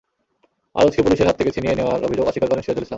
আরজকে পুলিশের হাত থেকে ছিনিয়ে নেওয়ার অভিযোগ অস্বীকার করেন সিরাজুল ইসলাম।